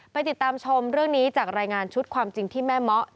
ไปติดตามชมเรื่องนี้จากรายงานชุดความจริงที่แม่เมาะ